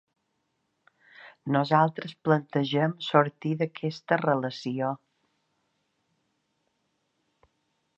Nosaltres plantegem sortir d’aquesta relació.